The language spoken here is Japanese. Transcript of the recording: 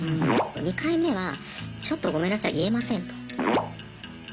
２回目はちょっとごめんなさい言えませんと。